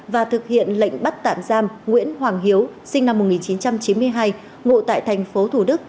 và thực hiện lệnh bắt tạm giam nguyễn hoàng hiếu sinh năm một nghìn chín trăm chín mươi hai ngụ tại thành phố thủ đức